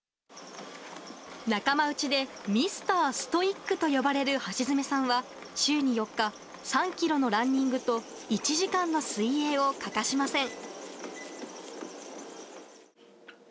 仲間内でミスターストイックと呼ばれる橋爪さんは、週に４日、３キロのランニングと１時間の水泳を欠かしません。